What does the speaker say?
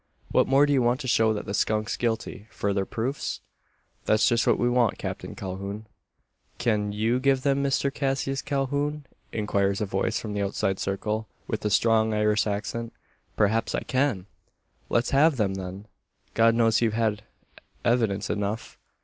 What more do you want to show that the skunk's guilty? Further proofs?" "That's just what we want, Captain Calhoun." "Cyan you give them, Misther Cashius Calhoun?" inquires a voice from the outside circle, with a strong Irish accent. "Perhaps I can." "Let's have them, then!" "God knows you've had evidence enough.